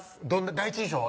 第一印象は？